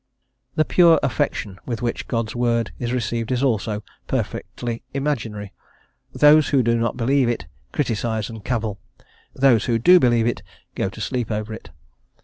The "pure affection" with which God's Word is received is also perfectly imaginary; those who do not believe it criticise and cavil; those who do believe it go to sleep over it.